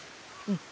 うん。